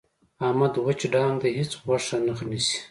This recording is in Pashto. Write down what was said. احمد وچ ډانګ دی. هېڅ غوښه نه نیسي.